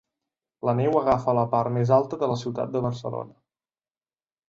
La neu agafa a la part més alta de la ciutat de Barcelona.